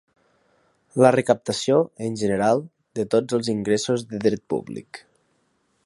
La recaptació, en general, de tots els ingressos de dret públic.